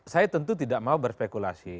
saya tentu tidak mau berspekulasi